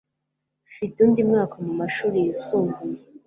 Mfite undi mwaka mumashuri yisumbuye